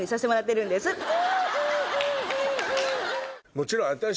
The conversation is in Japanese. もちろん。